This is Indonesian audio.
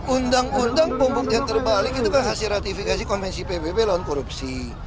undang undang pembuktian terbalik itu kan hasil ratifikasi konvensi pbb lawan korupsi